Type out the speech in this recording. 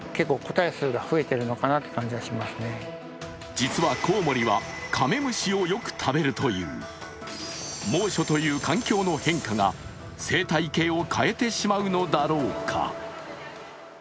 実はコウモリはカメムシをよく食べるという猛暑という環境の変化が、生態系を変えてしまうのだろうか。